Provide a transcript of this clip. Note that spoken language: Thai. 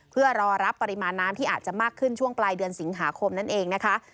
เพื่อรอรับปริมาณน้ำที่อาจจะมากขึ้นช่วงปลายเดือนสิงหาคมนั่นเองนะคะ